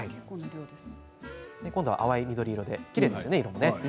今度は淡い緑色で色もきれいですね。